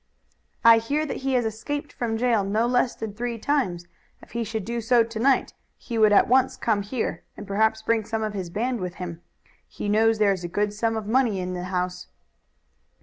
"I hear that he has escaped from jail no less than three times. If he should do so to night he would at once come here and perhaps bring some of his band with him. He knows there is a good sum of money in the house."